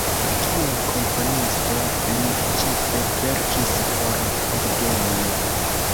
Kiel komponisto li ĉefe verkis por orgeno.